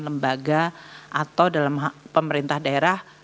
lembaga atau dalam pemerintah daerah